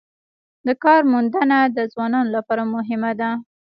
د کار موندنه د ځوانانو لپاره مهمه ده